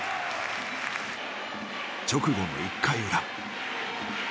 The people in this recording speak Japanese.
直後の１回裏。